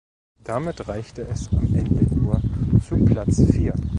Damit reichte es am Ende nur zu Platz vier.